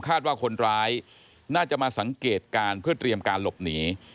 ว่าคนร้ายน่าจะมาสังเกตการณ์เพื่อเตรียมการหลบหนี